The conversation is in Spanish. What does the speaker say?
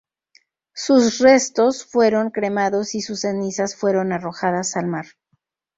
Sus restos fueron cremados y sus cenizas fueron arrojadas al mar.